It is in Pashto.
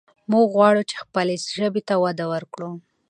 موږ غواړو چې خپلې ژبې ته وده ورکړو.